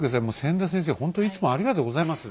ほんといつもありがとうございます。